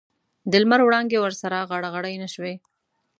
د لمر وړانګې ورسره غاړه غړۍ نه شوې.